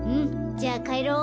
じゃあかえろう。